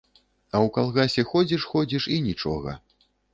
А ў калгасе ходзіш-ходзіш і нічога.